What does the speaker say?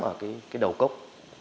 ở cái đầu cốc